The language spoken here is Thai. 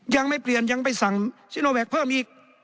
ยังไม่เปลี่ยนยังไปสั่งซิโนแวคเพิ่มอีก